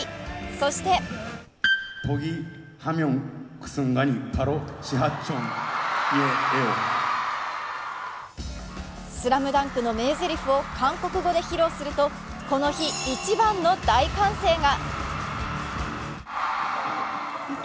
そして「ＳＬＡＭＤＵＮＫ」の名ぜりふを韓国語で披露するとこの日、一番の大歓声が。